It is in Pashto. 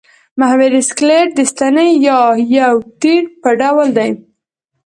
محوري سکلېټ د ستنې یا یو تیر په ډول دی.